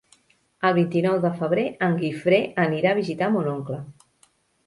El vint-i-nou de febrer en Guifré anirà a visitar mon oncle.